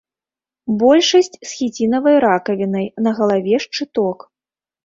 Большасць з хіцінавай ракавінай, на галаве шчыток.